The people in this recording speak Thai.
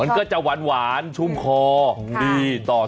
ควรละ๔๐๐บาท